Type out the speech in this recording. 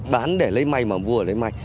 bán để lấy may mà mua để lấy may